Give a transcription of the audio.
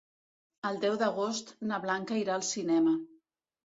El deu d'agost na Blanca irà al cinema.